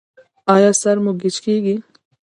ایا سر مو ګیچ کیږي؟